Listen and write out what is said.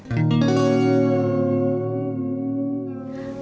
aku mau ke ktm